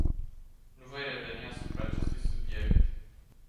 Nu voi reveni asupra acestui subiect.